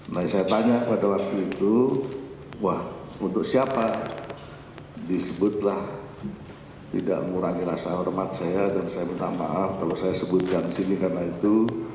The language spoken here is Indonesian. nah saya tanya pada waktu itu wah untuk siapa disebutlah tidak mengurangi rasa hormat saya dan saya minta maaf kalau saya sebutkan sini karena itu